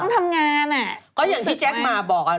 สูงต้นก็การทำงานอ่ะก็ที่แจ๊กมาบอกอะ